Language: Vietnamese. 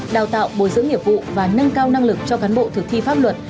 đào tạo bồi dưỡng nghiệp vụ và nâng cao năng lực cho cán bộ thực thi pháp luật